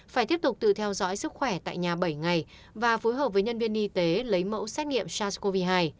phải tiếp tục tự theo dõi sức khỏe tại nhà bảy ngày và phối hợp với nhân viên y tế lấy mẫu xét nghiệm sars cov hai